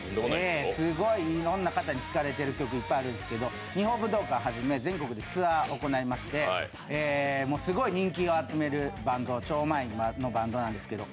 すごいいろんな方に聴かれている曲いっぱいあるんですけれども、日本武道館をはじめ、全国でツアーを行いましてすごい人気を集めるバンド、超満員のバンドなんですけど。